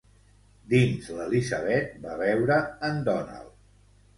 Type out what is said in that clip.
Dins l'Elizabeth va veure en Donald.